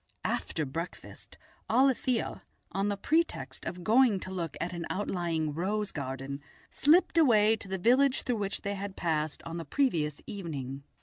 After breakfast Alethia, on the pretext of going to look at an outlying rose garden, slipped away to the village through which they had passed on the previous evening.